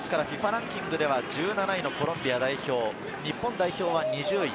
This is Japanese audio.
ランキングでは１７位のコロンビア代表、日本代表は２０位。